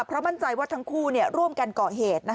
เพราะมั่นใจว่าทั้งคู่ร่วมกันก่อเหตุ